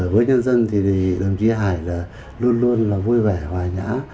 với nhân dân thì đồng chí hải luôn luôn vui vẻ hòa nhã